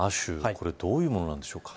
これどういうものなんでしょうか。